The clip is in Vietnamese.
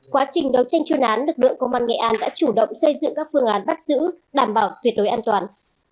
quá trình đấu tranh chuyên án lực lượng công an nghệ an đã chủ động xây dựng các phương án bắt giữ đảm bảo tuyệt đối an toàn